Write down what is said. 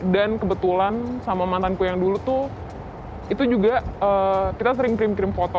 dan kebetulan sama mantanku yang dulu tuh itu juga kita sering kirim kirim foto